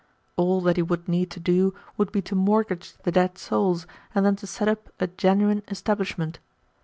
All that he would need to do would be to mortgage the dead souls, and then to set up a genuine establishment.